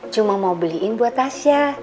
cuma mau beliin buat tasya